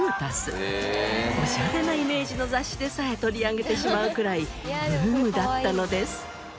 オシャレなイメージの雑誌でさえ取り上げてしまうくらいブームだったのです。